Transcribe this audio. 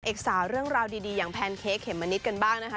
เอกสารเรื่องราวดีอย่างแพนเค้กเขมมะนิดกันบ้างนะคะ